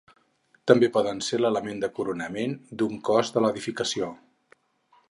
També poden ser l'element de coronament d'un cos de l'edificació.